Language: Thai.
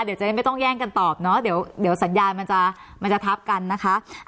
เดี๋ยวจะได้ไม่ต้องแย่งกันตอบเนาะเดี๋ยวสัญญาณมันจะทับกันนะคะ